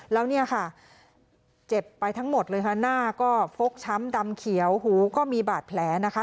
แล้วเนี่ยค่ะเจ็บไปทั้งหมดเลยค่ะหน้าก็ฟกช้ำดำเขียวหูก็มีบาดแผลนะคะ